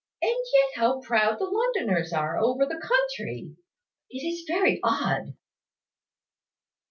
"And yet how proud the Londoners are over the country! It is very odd."